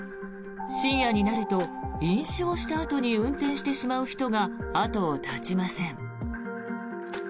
深夜になると飲酒をしたあとに運転をしてしまう人が後を絶ちません。